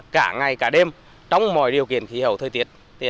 cả ngày cả đêm trong mọi điều kiện khí hậu thời tiết